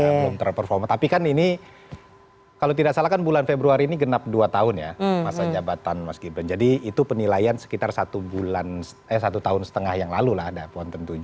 belum terperforma tapi kan ini kalau tidak salah kan bulan februari ini genap dua tahun ya masa jabatan mas gibran jadi itu penilaian sekitar satu bulan eh satu tahun setengah yang lalu lah ada pon tujuh